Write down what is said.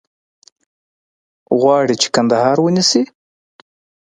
غواړي چې کندهار ونیسي.